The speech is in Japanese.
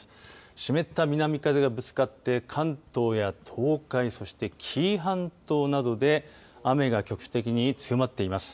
湿った南風がぶつかって関東や東海そして紀伊半島などで雨が局地的に強まっています。